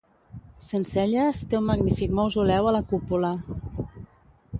Centcelles té un magnífic mausoleu a la cúpula.